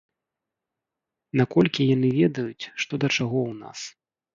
Наколькі яны ведаюць, што да чаго ў нас?